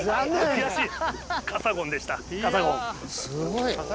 悔しい。